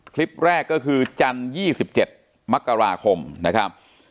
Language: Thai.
คลิปแรกก็คือจันทร์๒๗มกราคมนะครับ